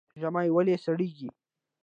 ژمی ولې سړیږي؟